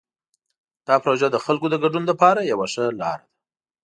دا پروژه د خلکو د ګډون لپاره یوه ښه لاره ده.